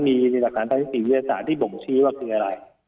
มีหลักฐานด้านนี้ผมชี้ว่าคืออะไร